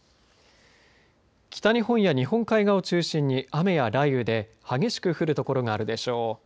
北日本や日本海側を中心に雨や雷雨で激しく降る所があるでしょう。